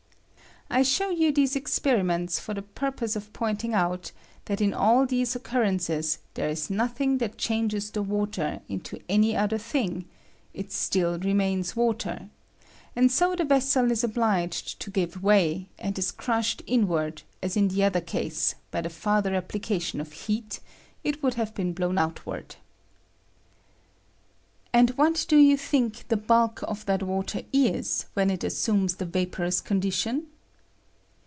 I show you these experiments for the purpose of pointing out that in all these occurrences there is nothing that changes the water into any other thing ; it still remains water ; and so the vessel is obliged to give way, and is crushed inward, as in the other case, by the farther application of heat, it would have been blown outward. And what do you think the bulk of that water is when it assumes the vaporous condi tion